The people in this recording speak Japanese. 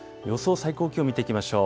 最高気温見ていきましょう。